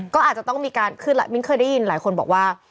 ก็อาจจะต้องมีการคือมิ้นเคยได้ยินหลายคนบอกว่า